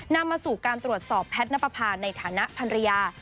นำมาสู่การตรวจสอบแพทนปภาในฐานะภัณฑ์ริยา